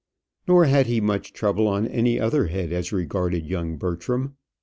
Nor had he much trouble on any other head as regarded young Bertram.